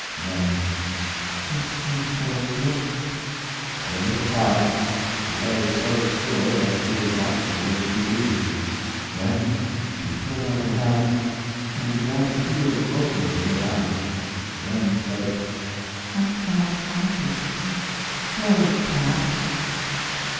Then, "Kiss me, Soldier." For a little time, she lay so still that we were doubtful if she breathed. Then she put out her hand and began to feel gropingly about; then said, "I cannot find it; blow 'taps.